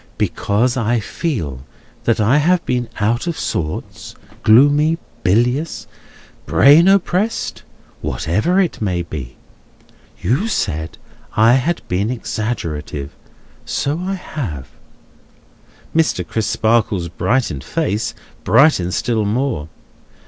Because I feel that I have been out of sorts, gloomy, bilious, brain oppressed, whatever it may be. You said I had been exaggerative. So I have." Mr. Crisparkle's brightened face brightens still more.